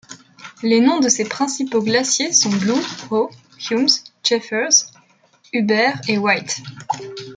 Les noms de ses principaux glaciers sont Blue, Hoh, Humes, Jeffers, Hubert et White.